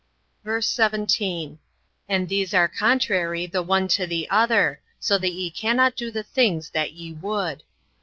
VERSE 17. And these are contrary the one to the other; so that ye cannot do the things that ye would.